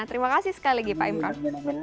terima kasih sekali lagi pak imran